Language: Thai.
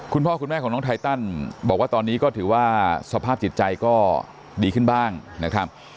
คุณพ่อคุณแม่ของน้องไทตันบอกว่าตอนนี้ก็ถือว่าสภาพจิตใจก็ดีขึ้นบ้างนะครับ